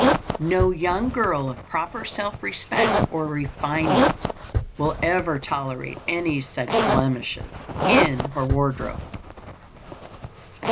No young girl of proper self respect or refinement will ever tolerate any such blemishes in her wardrobe.